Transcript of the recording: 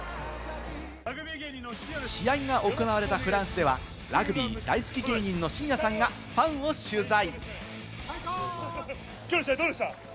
試合が行われたフランスでは、ラグビー大好き芸人のしんやさんがファンを取材。